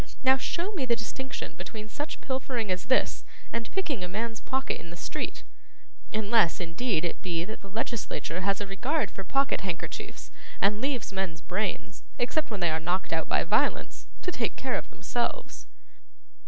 Now, show me the distinction between such pilfering as this, and picking a man's pocket in the street: unless, indeed, it be, that the legislature has a regard for pocket handkerchiefs, and leaves men's brains, except when they are knocked out by violence, to take care of themselves.